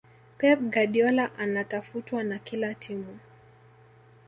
pep guardiola anatafutwa na kila timu